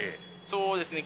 そうですね